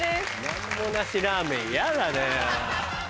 「なんもなしラーメン」嫌だね。